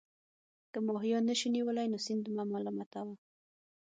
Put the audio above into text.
که ماهیان نه شئ نیولای نو سیند مه ملامتوه.